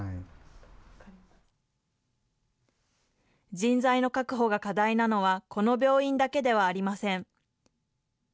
人材の確保が課題なのは、この病院だけではありません。